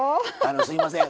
すいません